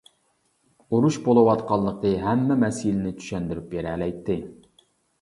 ئۇرۇش بولۇۋاتقانلىقى ھەممە مەسىلىنى چۈشەندۈرۈپ بېرەلەيتتى.